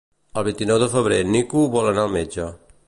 El vint-i-nou de febrer en Nico vol anar al metge.